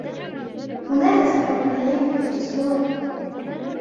هناك سبعة أيام في الأسبوع.